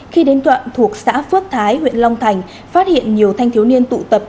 khi đến đoạn thuộc xã phước thái huyện long thành phát hiện nhiều thanh thiếu niên tụ tập